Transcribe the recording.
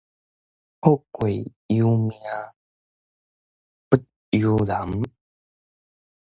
富貴由命，不由人